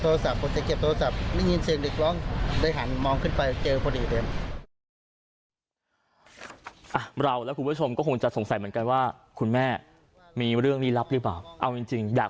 แต่ได้ยินเสียงเด็กร้องนานด้วย